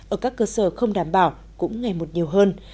ở các cơ sở không đảm bảo cũng ngày một nhiều hơn